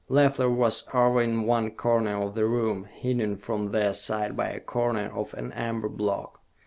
Leffler was over in one corner of the room, hidden from their sight by a corner of an amber block.